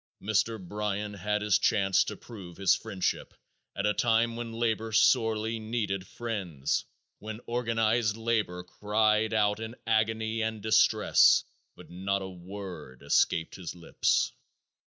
Mr. Bryan had his chance to prove his friendship at a time when labor sorely needed friends, when organized labor cried out in agony and distress. But not a word escaped his lips.